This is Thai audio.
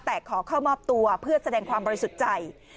แต่ขอเข้ามอบตัวเพื่อแสดงความบริสุทธิ์ใจ